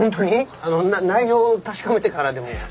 あの内容を確かめてからでも。